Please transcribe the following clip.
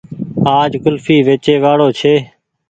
آج ڪولڦي ويچي واڙو ڇي